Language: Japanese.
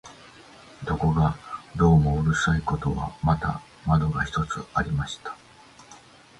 ところがどうもうるさいことは、また扉が一つありました